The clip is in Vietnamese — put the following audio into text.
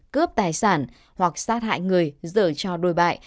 cướp tài sản hoặc sát hại người dở cho đồi bại